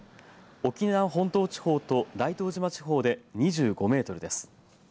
沖縄本島地方と大東島地方で２５メートルです。